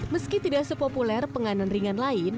meski tidak sepopuler penganan ringan lain